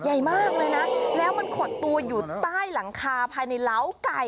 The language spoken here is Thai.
ใหญ่มากเลยนะแล้วมันขดตัวอยู่ใต้หลังคาภายในเหล้าไก่